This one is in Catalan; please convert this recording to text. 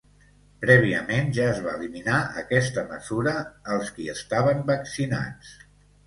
Prèviament, ja es va eliminar aquesta mesura als qui estaven vaccinats.